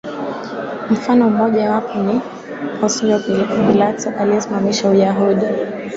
Mfano mmoja wapo ni Ponsyo Pilato aliyesimamia Uyahudi